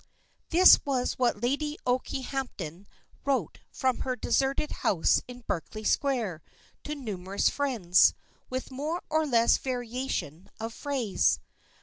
This was what Lady Okehampton wrote from her deserted house in Berkeley Square, to numerous friends, with more or less variation of phrase.